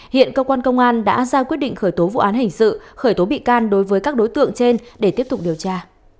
hiện cơ quan công an đã ra quyết định khởi tố vụ án hình sự khởi tố bị can đối với các đối tượng trên để tiếp tục điều tra